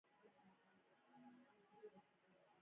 د شفتالو کمپوټ جوړیږي.